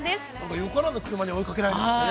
よからぬ車に追いかけられてましたね。